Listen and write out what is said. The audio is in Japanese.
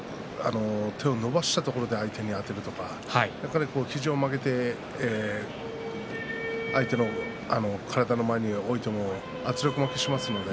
手を伸ばしたところで相手にあてるとか、肘を曲げて相手の体の前に置いても圧力負けしますよね。